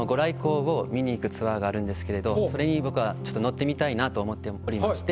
あるんですけれどそれに僕はちょっと乗ってみたいなと思っておりまして。